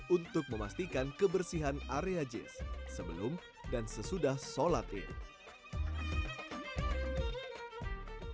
untuk memastikan kebersihan area jis sebelum dan sesudah sholat id